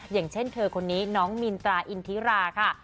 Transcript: อย่างเช่นเธอคนนี้น้องมินตราอินทิราค่ะ